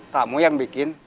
kamu yang bikin